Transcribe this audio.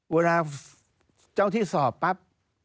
เวลาเจ้าที่สอบปั๊บ